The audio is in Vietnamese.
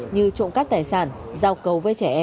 như trộm cắp tài sản giao cầu